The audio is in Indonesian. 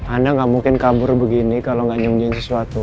anda gak mungkin kabur begini kalau gak nyungjin sesuatu